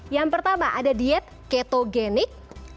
yang pertama ada diet ketogenik